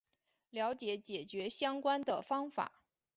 了解解决相关的方法